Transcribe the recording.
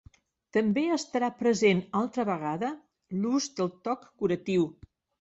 També estarà present altra vegada l'ús del toc curatiu.